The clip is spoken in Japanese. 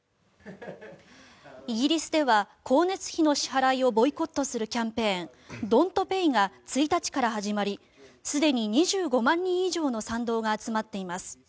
イギリスでは光熱費の支払いをボイコットするキャンペーンＤｏｎ’ｔＰａｙが１日から始まりすでに２５万人以上の賛同が集まっています。